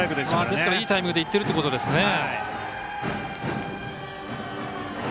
ですからいいタイミングでいってるということですね。